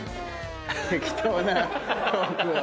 適当なトークを。